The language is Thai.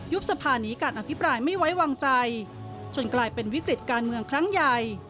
สภานี้การอภิปรายไม่ไว้วางใจจนกลายเป็นวิกฤติการเมืองครั้งใหญ่